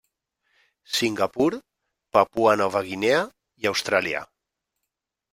Singapur, Papua Nova Guinea i Austràlia.